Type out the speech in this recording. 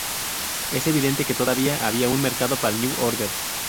Es evidente que todavía había un mercado para New Order.